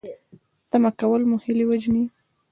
تمه کول مو هیلې وژني